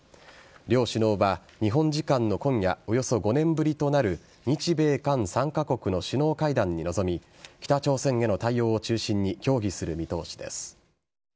両首脳は日本時間の今夜およそ５年ぶりとなる日米韓３カ国の首脳会談に臨み北朝鮮への対応を中心に協議する見通しです。